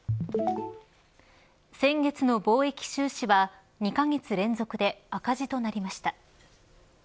先月の貿易収支は２カ月連続で赤字となりました。